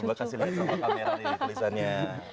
coba kasih lihat di kamera ini tulisannya